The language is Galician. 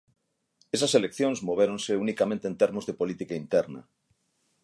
Esas eleccións movéronse unicamente en termos de política interna.